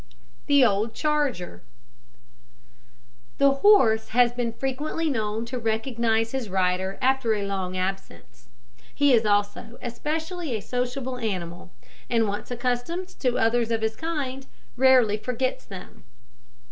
THE OLD CHARGER. The horse has been frequently known to recognise his rider after a long absence. He is also especially a sociable animal, and once accustomed to others of his kind, rarely forgets them.